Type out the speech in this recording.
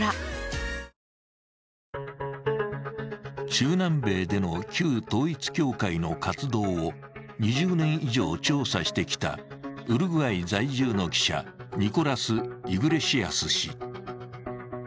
中南米での旧統一教会の活動を２０年以上調査してきたウルグアイ在住の記者、ニコラス・イグレシアス氏。